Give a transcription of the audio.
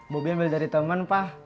bobi ambil dari temen pak